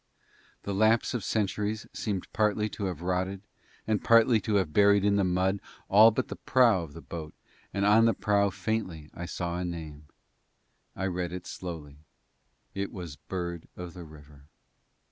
The lapse of centuries seemed partly to have rotted and partly to have buried in the mud all but the prow of the boat and on the prow I faintly saw a name. I read it slowly it was _Bird of the River.